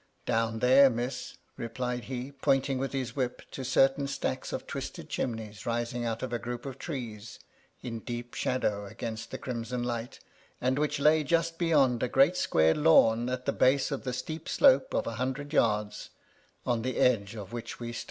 " Down there, Miss," replied he, pointing with his whip to certain stacks of twisted chimneys rising out of a group of trees, in deep shadow against the crimson light, and which lay just beyond a great square lawn at the base of the steep slope of a hundred yards, on the edge of which we stood.